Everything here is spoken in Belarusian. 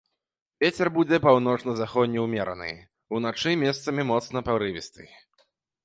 Вецер будзе паўночна-заходні ўмераны, уначы месцамі моцны парывісты.